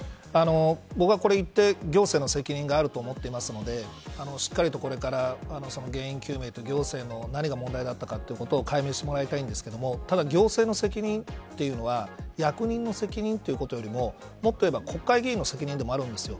僕はこれ言って、行政の責任があると思っているのでしっかりと、これから原因究明と行政の何が問題だったか解明してもらいたいですがただ行政の責任というのは役人の責任というよりももっと言えば国会議員の責任でもあるんです。